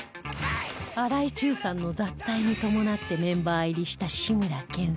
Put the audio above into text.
荒井注さんの脱退に伴ってメンバー入りした志村けんさん